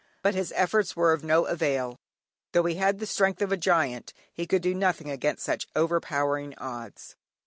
But his efforts were of no avail; though he had the strength of a giant he could do nothing against such overpowering odds.